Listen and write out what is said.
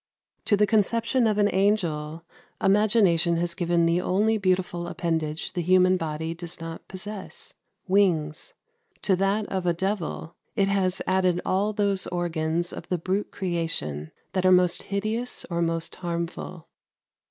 To the conception of an angel imagination has given the only beautiful appendage the human body does not possess wings; to that of a devil it has added all those organs of the brute creation that are most hideous or most harmful.